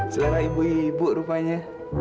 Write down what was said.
seleranya ibu ibu rupanya